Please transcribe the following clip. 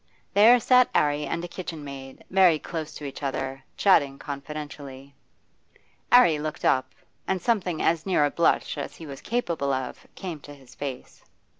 There sat 'Arry and a kitchenmaid, very close to each other, chatting confidentially. 'Arry looked up, and something as near a blush as he was capable of came to his face.